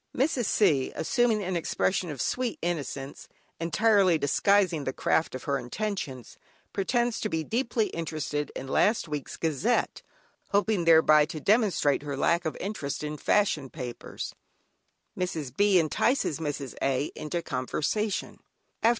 Mrs. C., assuming an expression of sweet innocence, entirely disguising the craft of her intentions, pretends to be deeply interested in last week's "Gazette," hoping thereby to demonstrate her lack of interest in fashion papers; Mrs. B. entices Mrs. A. into conversation.